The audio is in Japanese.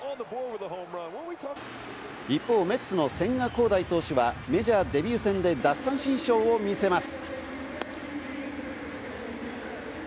一方、メッツの千賀滉大投手はメジャーデビュー戦で奪三振ショーを見せます。